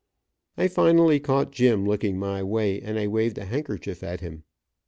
I finally caught Jim looking my way, and I waved a handkerchief at him.